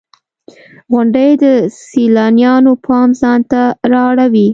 • غونډۍ د سیلانیانو پام ځان ته را اړوي.